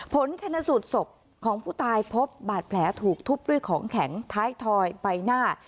ผลชนสูตรศพของผู้ตายพบบาดแผลถูกทุบด้วยของแข็งท้ายทอยใบหน้า